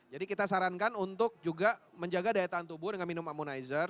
jadi kita sarankan untuk juga menjaga daya tahan tubuh dengan minum ammonizer